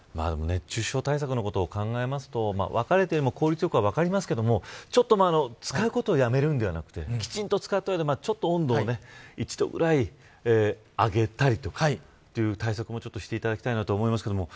熱中症対策のことを考えると分かれてでも効率よくは分かりますけど使うことをやめるんではなくてきちんと使った上で、温度を１度ぐらい上げたりそういう対策もしていただきたいと思います。